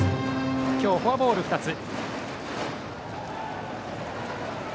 今日、フォアボール２つ。